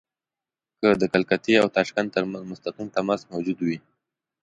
که د کلکتې او تاشکند ترمنځ مستقیم تماس موجود وي.